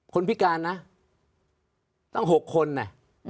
คนพิการนะต้อง๖คนนะ